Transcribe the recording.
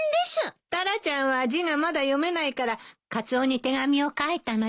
タラちゃんは字がまだ読めないからカツオに手紙を書いたのよ。